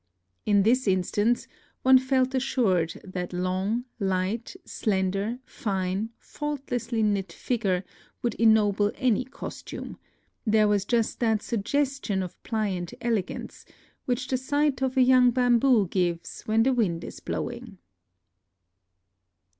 In this instance, one felt assured that long, light, slender, fine, faultlessly knit figure would ennoble any costume: there was just that suggestion of pliant elegance which the sight of a young bamboo gives when the wind is blowing.